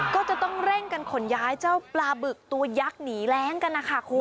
ก็จะต้องเร่งกันขนย้ายเจ้าปลาบึกตัวยักษ์หนีแรงกันนะคะคุณ